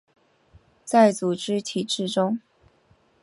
在组织体制中